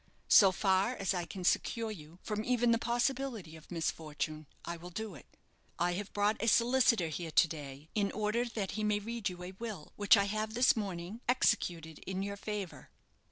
So far as I can secure you from even the possibility of misfortune, I will do it. I have brought a solicitor here to day, in order that he may read you a will which I have this morning executed in your favour."